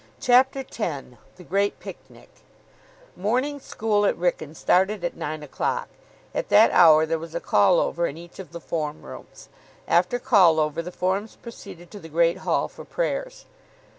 CHAPTER X THE GREAT PICNIC Morning school at Wrykyn started at nine o'clock. At that hour there was a call over in each of the form rooms. After call over the forms proceeded to the Great Hall for prayers.